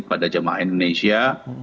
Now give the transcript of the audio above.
pada jamaah indonesia